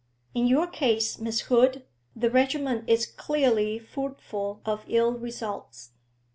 In your case, Miss Hood, the regimen is clearly fruitful of ill results.'